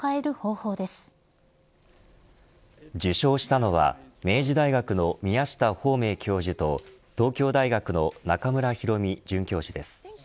受賞したのは明治大学の宮下芳明教授と東京大学の中村裕美准教授です。